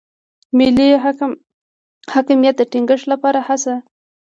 ملي حاکمیت د ټینګښت لپاره هڅه.